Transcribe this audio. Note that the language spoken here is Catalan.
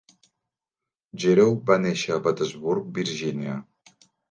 Gerow va néixer a Petersburg, Virgínia.